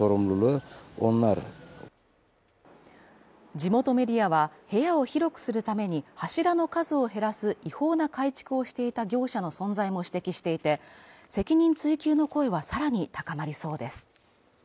地元メディアは、部屋を広くするために柱の数を減らす、違法な改築をしていた業者の存在も指摘していて、責任追及の声はさらに高まりそうです。